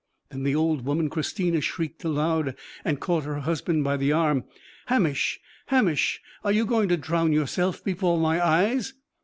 Then the old woman Christina shrieked aloud, and caught her husband by the arm. "Hamish! Hamish! Are you going to drown yourself before my eyes?"